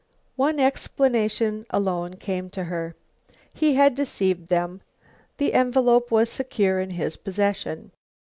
One explanation alone came to her. He had deceived them. The envelope was secure in his possession.